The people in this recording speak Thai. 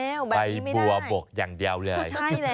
แบบนี้ไม่ได้ไปบัวบกอย่างเดียวเลยใช่แหละ